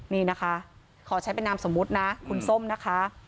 นี่นะคะขอใช้เป็นนามสมมุตินะคุณส้มนะคะ